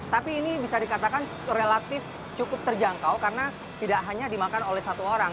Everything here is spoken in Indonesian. tapi ini bisa dikatakan relatif cukup terjangkau karena tidak hanya dimakan oleh satu orang